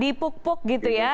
dipuk puk gitu ya